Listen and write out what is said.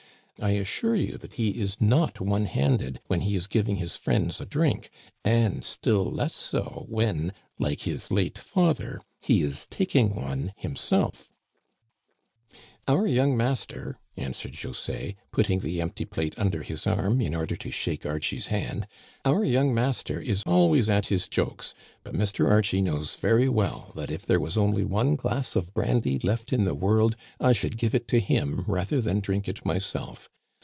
I assure you that he is not one handed when he is giving his friends a drink, and still less so when» like his late father, he is taking one himself." Digitized by VjOOQIC THE FAMILY HEARTH. 259 "Our young master," answered José, putting the empty plate under his arm in order to shake Archie's hand, our young master is always at his jokes ; but Mr. Archie knows very well that if there was only one glass of brandy left in the world I should give it to him rather than drink it myself.